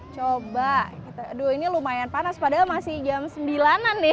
coba aduh ini lumayan panas padahal masih jam sembilan an nih